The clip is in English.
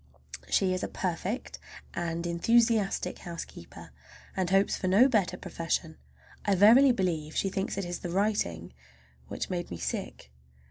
She is a perfect, and enthusiastic housekeeper, and hopes for no better profession. I verily believe she thinks it is the writing which made me sick!